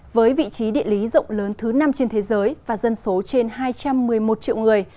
với vị trí địa lý rộng lớn thứ năm trên thế giới và dân số trên hai trăm một mươi một triệu người